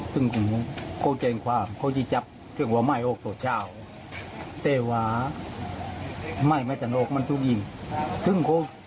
ซึ่งเขาว่าเขาจะเอาสี่เส้น